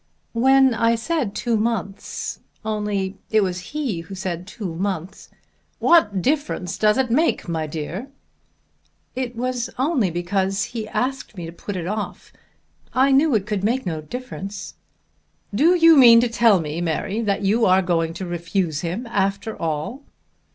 "When I said two months, only it was he said two months " "What difference does it make, my dear?" "It was only because he asked me to put it off. I knew it could make no difference." "Do you mean to tell me, Mary, that you are going to refuse him after all?"